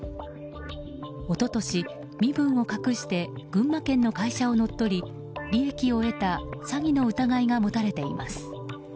一昨年、身分を隠して群馬県の会社を乗っ取り利益を得た詐欺の疑いが持たれています。